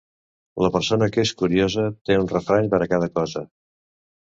La persona que és curiosa té un refrany per a cada cosa.